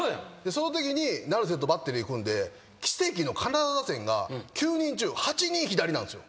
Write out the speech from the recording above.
そのときに成瀬とバッテリー組んで奇跡のカナダ打線が９人中８人左なんですよ。